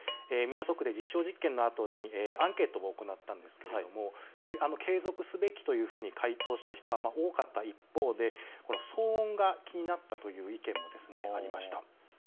港区で実証実験のあとにアンケートも行ったのですが継続すべきというふうに回答した人が多かった一方で騒音が気になったという意見もありました。